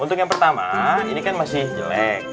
untuk yang pertama ini kan masih jelek